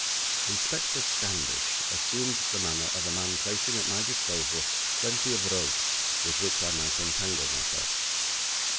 Inspector Standish assumed the manner of a man placing at my disposal plenty of rope with which I might entangle myself.